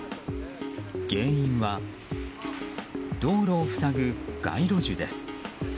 原因は、道路を塞ぐ街路樹です。